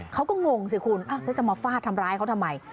เขาก็งงสิคุณจะมาฟาดทำร้ายเขาทำไม